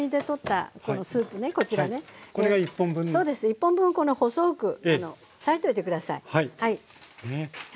１本分を細く裂いておいて下さい。